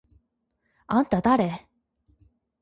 あんただれ？！？